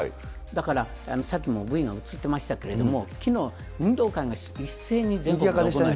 だから、さっきもＶが映ってましたけれども、きのう、運動会が一斉に全国的に。